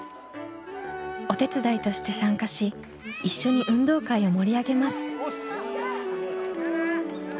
お手伝いとして参加し一緒に運動会を盛り上げます。